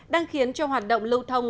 đang khiến cho hoạt động lưu thông